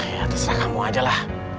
ya terserah kamu aja lah